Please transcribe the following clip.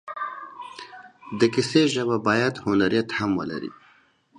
د کیسې ژبه باید هنریت هم ولري.